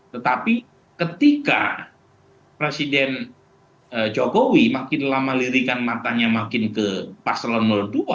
tetapi ketika presiden jokowi makin lama lirikan matanya makin ke paselan dua